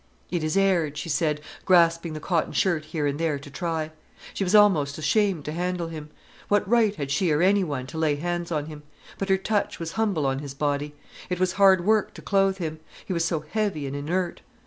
"It is aired," she said, grasping the cotton shirt here and there to try. She was almost ashamed to handle him; what right had she or anyone to lay hands on him; but her touch was humble on his body. It was hard work to clothe him. He was so heavy and inert.